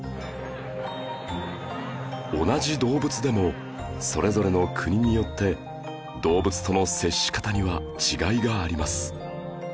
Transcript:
同じ動物でもそれぞれの国によって動物との接し方には違いがあります